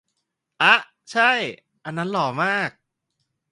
อ๊ะ ใช่ อันนั้นหล่อมาก